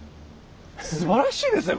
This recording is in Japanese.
すばらしいですね